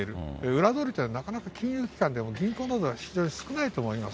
裏通りというのは、なかなか金融機関でも銀行などは非常に少ないと思います。